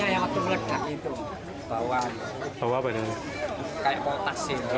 kayak potas itu